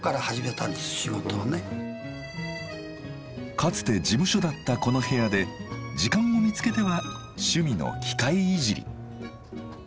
かつて事務所だったこの部屋で時間を見つけては趣味の「機械いじり」。